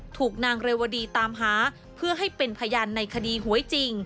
ถูกนางเรวดีตามหาเพื่อให้เป็นพยานในคดีหวยจริง